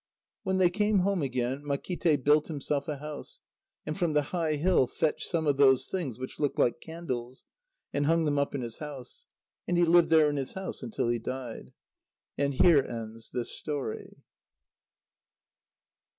When they came home again, Makíte built himself a house, and from the high hill fetched some of those things which looked like candles, and hung them up in his house. And he lived there in his house until he died. And here ends this story.